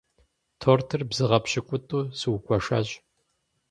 Тортыр бзыгъэ пщыкӏутӏу сыугуэшащ.